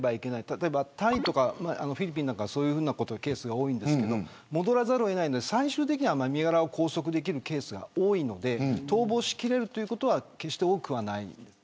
例えばタイとかフィリピンはそういうケースが多いんですが戻らざるを得ないので最終的には身柄を拘束できるケースが多いので逃亡し切れるということは決して多くはない。